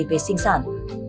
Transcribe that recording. về sinh sản